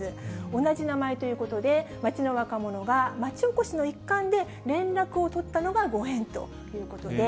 同じ名前ということで、町の若者が、町おこしの一環で、連絡を取ったのがご縁ということで。